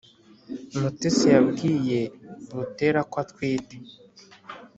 mutesi yabwiye butera ko atwite